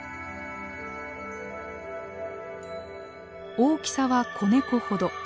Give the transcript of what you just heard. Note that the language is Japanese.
大きさは子ネコほど。